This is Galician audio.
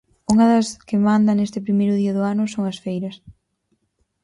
Unha das que manda neste primeiro día do ano son as feiras.